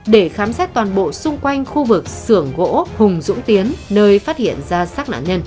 để khám xét toàn bộ xung quanh khu vực xưởng gỗ hùng dũng tiến nơi phát hiện ra xác nạn nhân